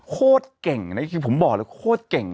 โคตรเก่งนะคือผมบอกเลยโคตรเก่ง